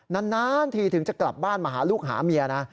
นานทีถึงจะกลับบ้านมาหาลูกหาเมียนะ